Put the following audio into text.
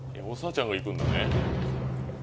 おさちゃんがいくんだね。